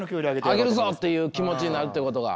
上げるぞっていう気持ちになるってことか。